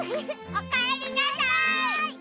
おかえりなさい！